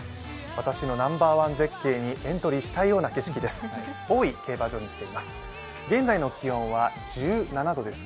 私のＮＯ．１絶景にエントリーしたいくらいです。